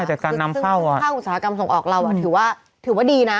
ใช่แต่การนำเข้าค่าอุตสาหกรรมส่งออกเราถือว่าดีนะ